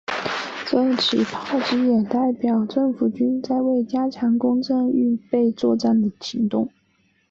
这起炮击也代表政府军在为强攻城镇预作准备的行动。